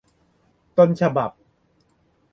ต้นฉบับ